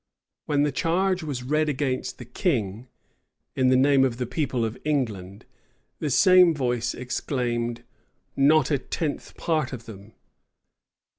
When the charge was read against the king, "In the name of the people of England," the same voice exclaimed, "Not a tenth part of them."